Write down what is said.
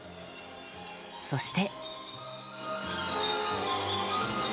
そして。